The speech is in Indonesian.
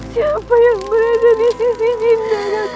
siapa yang berada di sisi dinda kakanda